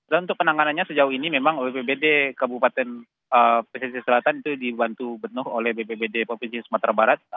dan untuk penanganannya sejauh ini memang bpbd bupatan pesistir selatan itu dibantu benuh oleh bpbd provinsi sumatera barat